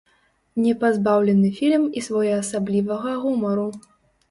Не пазбаўлены фільм і своеасаблівага гумару.